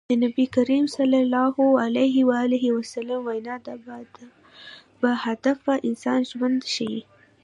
د نبي کريم ص وينا د باهدفه انسان ژوند ښيي.